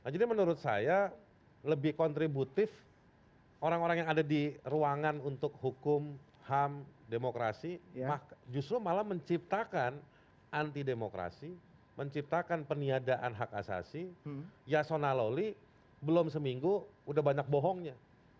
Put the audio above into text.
jadi menurut saya lebih kontributif orang orang yang ada di ruangan untuk hukum ham demokrasi justru malah menciptakan anti demokrasi menciptakan peniadaan hak asasi yasona loli belum seminggu sudah banyak bohongnya